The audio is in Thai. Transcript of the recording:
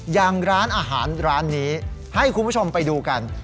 อย่างร้านอาหารร้านนี้ให้คุณผู้ชมไปดูกัน